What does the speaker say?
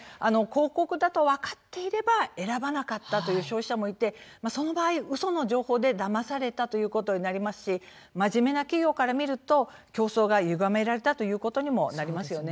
広告だとわかっていれば選ばなかったという消費者もいてその場合ウソの情報でだまされたということになりますし真面目な企業から見ると競争がゆがめられたということにもなりますよね。